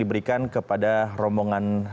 diberikan kepada rombongan